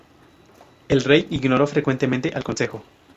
El rey ignoró frecuentemente al consejo.